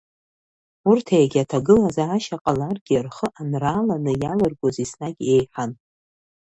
Урҭ егьа ҭагылазаашьа ҟаларгьы рхы анрааланы иалыргоз еснагь еиҳан…